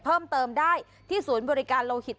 เพิ่มเติมได้ที่ศูนย์บริการโลหิต